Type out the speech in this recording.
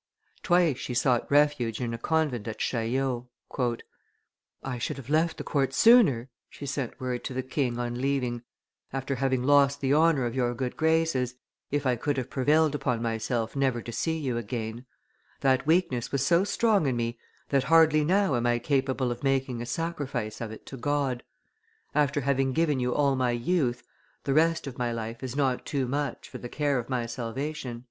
Twice she sought refuge in a convent at Chaillot. "I should have left the court sooner," she sent word to the king on leaving, "after having lost the honor of your good graces, if I could have prevailed upon myself never to see you again; that weakness was so strong in me that hardly now am I capable of making a sacrifice of it to God; after having given you all my youth, the rest of my life is not too much for the care of my salvation."